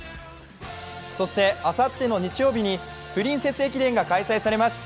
そしてあさっての日曜日にプリンセス駅伝が開催されます。